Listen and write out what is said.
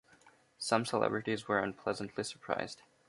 Some celebrities were unpleasantly surprised.